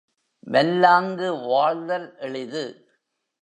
வல்லாங்கு வாழ்தல் எளிது.